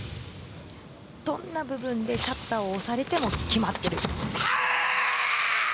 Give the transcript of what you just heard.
どんな部分でシャッターを押されても決まっている。